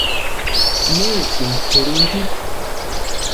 ¿Nesïni tʼerunchiti?